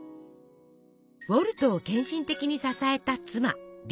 ウォルトを献身的に支えた妻リリアン。